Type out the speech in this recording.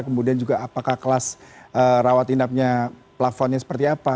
kemudian juga apakah kelas rawat inapnya plafonnya seperti apa